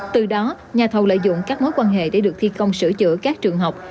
từ đó nhà thầu lợi dụng các mối quan hệ để được thi công sửa chữa các trường học